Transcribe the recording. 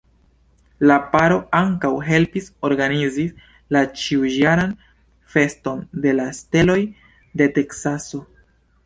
La paro ankaŭ helpis organizi la ĉiujaran Feston de la Steloj de Teksaso.